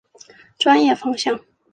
专业方向。